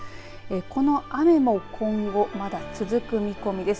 この雨も今後まだ続く見込みです。